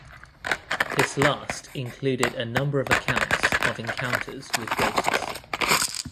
This last included a number of accounts of encounters with ghosts.